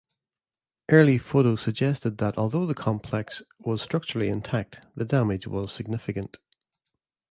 Early photos suggested that although the complex was structurally intact, the damage was significant.